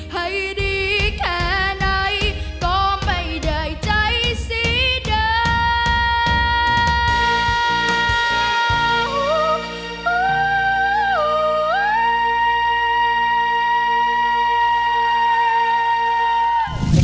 ให้ดีแค่ไหนก็ไม่ได้ใจสีเดิม